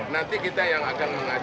nanti kita yang akan mengajak